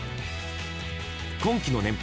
今季の年俸